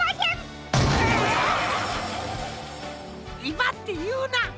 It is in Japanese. いばっていうな！